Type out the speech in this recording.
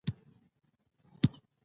د ګرشک بازار سره خدای پاماني وکړه.